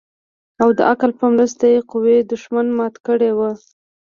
او د عقل په مرسته يې قوي دښمن مات کړى و.